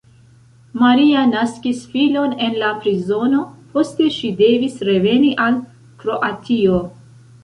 Maria naskis filon en la prizono, poste ŝi devis reveni al Kroatio.